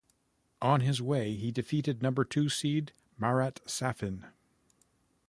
On his way he defeated number two seed, Marat Safin.